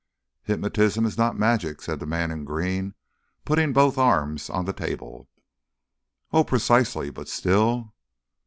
"Hypnotism is not magic," said the man in green, putting both arms on the table. "Oh, precisely! But still